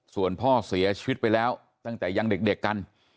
ส่วนพ่อเสียชีวิตไปแล้วตั้งแต่ยังเด็กกัน